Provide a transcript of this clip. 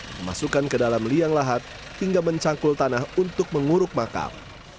memasukkan ke dalam liang lahat hingga mencangkul tanah untuk menguruk makam